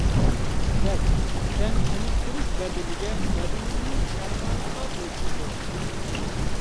بەس، سەن چېنىقتۇرۇش بەدىلىگە بەدىنىڭنى پەرمانىڭغا بويسۇندۇر.